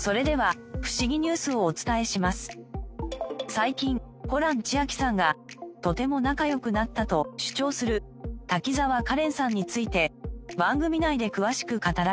最近ホラン千秋さんがとても仲良くなったと主張する滝沢カレンさんについて番組内で詳しく語られました。